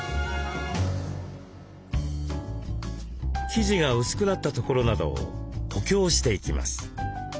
生地が薄くなったところなどを補強していきます。